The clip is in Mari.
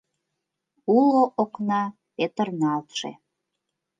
Уло окна — петырналтше.